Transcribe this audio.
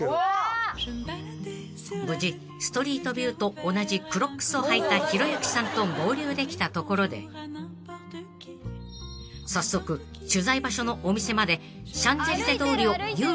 ［無事ストリートビューと同じクロックスを履いたひろゆきさんと合流できたところで早速取材場所のお店まで］